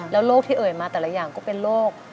โรคที่เอ่ยมาแต่ละอย่างก็เป็นโรค